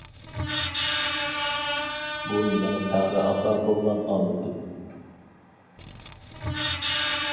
بۇ مېنىڭ تەڭرى ئاتا قىلغان ئامىتىم.